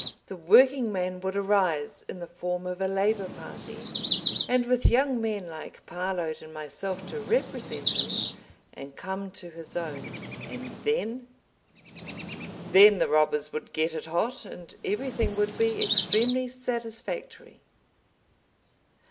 The Working Man would arise—in the form of a Labor Party, and with young men like Parload and myself to represent him—and come to his own, and then———? Then the robbers would get it hot, and everything would be extremely satisfactory.